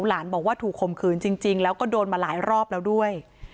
หลานบอกว่าถูกข่มขืนจริงแล้วก็โดนมาหลายรอบแล้วด้วย